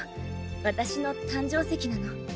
私の誕生石なの。